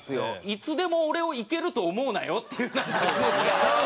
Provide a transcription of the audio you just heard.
いつでも俺をいけると思うなよっていうなんか気持ちが。